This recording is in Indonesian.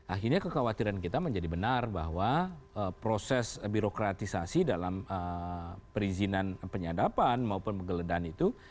akhirnya kekhawatiran kita menjadi benar bahwa proses birokratisasi dalam perizinan penyadapan maupun penggeledahan itu